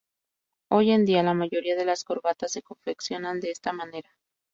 Hoy en día, la mayoría de las corbatas se confeccionan de esta manera.